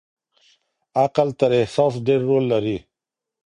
عقل تر احساس ډېر رول لري.